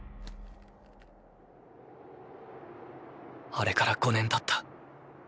あれから５年たった。